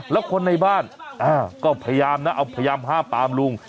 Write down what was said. แล้วคนในบ้านก็พยายามห้ามตามลุง